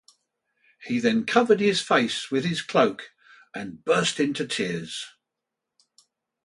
He then covered his face with his cloak and burst into tears.